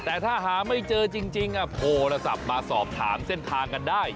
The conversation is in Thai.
แต่ถ้าหาไม่เจอจริงโทรศัพท์มาสอบถามเส้นทางกันได้